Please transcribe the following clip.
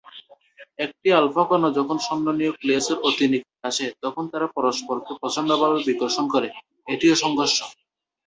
একটি আলফা কণা যখন স্বর্ণ নিউক্লিয়াসের অতি নিকটে আসে, তখন তারা পরস্পরকে প্রচন্ড ভাবে বিকর্ষণ করে, এটিও সংঘর্ষ।